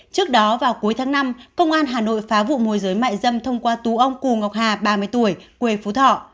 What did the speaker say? trước đó vào cuối tháng năm công an hà nội phá vụ môi giới mại dâm thông qua tú ông cù ngọc hà ba mươi tuổi quê phú thọ